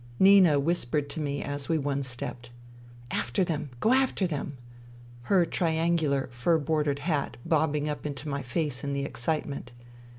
Nina whispered to me as we one stepped :" After them I Go after them !'* her triangular, fur bordered hat bobbing up into my face in the excitement.